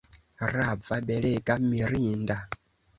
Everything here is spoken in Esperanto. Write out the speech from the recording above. Rava, belega, mirinda!